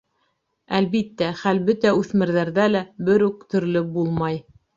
Әлбиттә, хәл бөтә үҫмерҙәрҙә лә бер үк төрлө булмай.